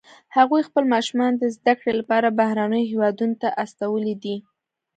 هغوی خپل ماشومان د زده کړې لپاره بهرنیو هیوادونو ته استولي دي